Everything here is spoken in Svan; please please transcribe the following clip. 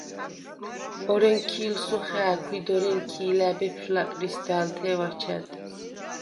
ორენქი̄ლსუ ხა̄̈ქვ ი დორენქი̄ლა̈ ბეფშვ ლა̈პრისდა̄ლთე̄ვ აჩა̈დ.